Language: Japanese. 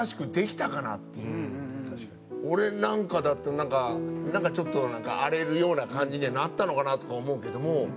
俺なんかだとなんかなんかちょっと荒れるような感じにはなったのかなとか思うけども。